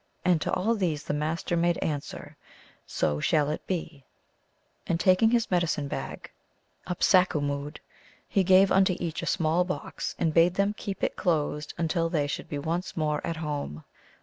And to all these the Master made answer, " So shall it be !" And taking his medicine bag {Upsakumoode, M.) he gave unto each a small box, and bade them keep it closed until they should be once more at home.